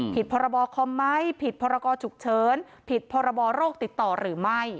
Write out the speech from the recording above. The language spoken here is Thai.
ผิดภาระบอคอมไหมผิดภาระกอจุกเชิญผิดภาระบอโรคติดต่อหรือไม่